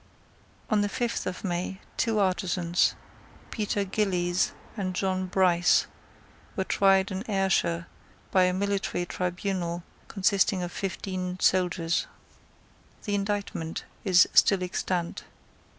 On the fifth of May two artisans, Peter Gillies and John Bryce, were tried in Ayrshire by a military tribunal consisting of fifteen soldiers. The indictment is still extant.